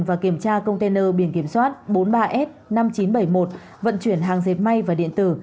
và kiểm tra container biển kiểm soát bốn mươi ba s năm nghìn chín trăm bảy mươi một vận chuyển hàng dệt may và điện tử